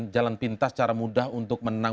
jalan pintas secara mudah untuk menang